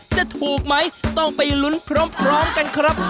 จะถูกไหมต้องไปลุ้นพร้อมกันครับ